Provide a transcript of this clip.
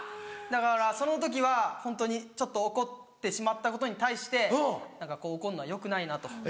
だからその時はホントにちょっと怒ってしまったことに対して怒んのはよくないなと。